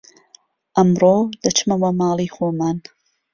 ئەمڕۆ دەچمەوە ماڵی خۆمان